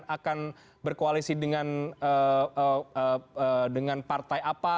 akan berkoalisi dengan partai apa